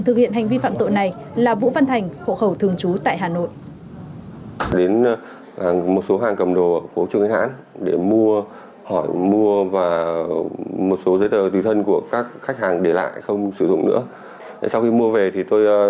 thực hiện hành vi phạm tội này là vũ văn thành hộ khẩu thường trú tại hà nội